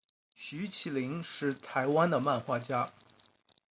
徐麒麟是台湾的漫画家。